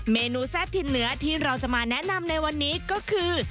เมนูแซ่บถิ่นเหนือที่เราจะมาแนะนำในวันนี้ก็คือ